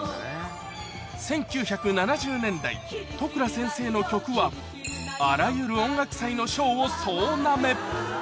１９７０年代都倉先生の曲はあらゆる音楽祭の賞を総なめ